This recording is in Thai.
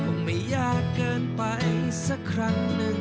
คงไม่ยากเกินไปสักครั้งหนึ่ง